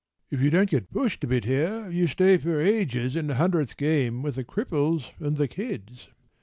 If you don’t get pushed a bit here you stay for ages in the hundredth game with the cripples and the kids.